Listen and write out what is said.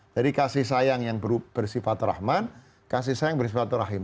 jadi kasih sayang yang bersifat rahman kasih sayang yang bersifat rahim